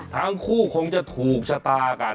ทั้งคู่คงจะถูกชะตากัน